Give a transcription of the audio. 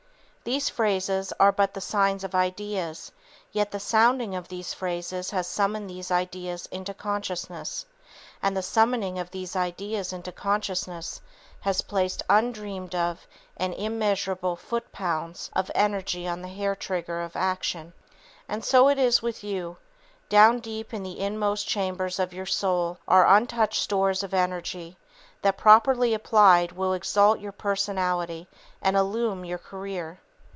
These phrases are but the signs of ideas, yet the sounding of these phrases has summoned these ideas into consciousness, and the summoning of these ideas into consciousness has placed undreamed of and immeasurable foot pounds of energy on the hair trigger of action. [Sidenote: "Good Starters" and "Strong Finishers"] And so it is with you. Down deep in the inmost chambers of your soul are untouched stores of energy that properly applied will exalt your personality and illumine your career.